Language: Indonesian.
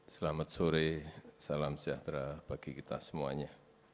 selamat sore salam sejahtera bagi kita semuanya